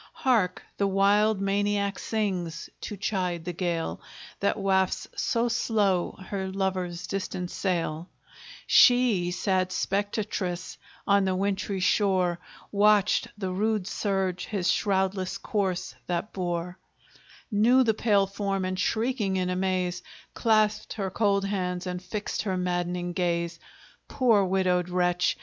Hark! the wild maniac sings, to chide the gale That wafts so slow her lover's distant sail; She, sad spectatress, on the wintry shore, Watched the rude surge his shroudless corse that bore, Knew the pale form, and shrieking in amaze, Clasped her cold hands, and fixed her maddening gaze; Poor widowed wretch!